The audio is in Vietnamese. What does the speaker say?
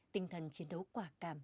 tinh thần chiến đấu quả cảm